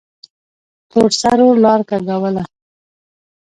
تورسرو لار کږوله.